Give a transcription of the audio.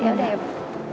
yaudah ya bu